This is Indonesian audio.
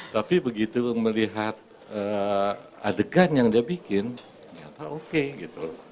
tapi begitu melihat adegan yang dia bikin ternyata oke gitu